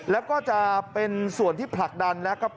แล้วก็จะเป็นส่วนที่ผลักดันนะครับ